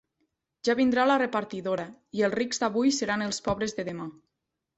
Ja vindrà la repartidora, i els rics d'avui seran els pobres de demà.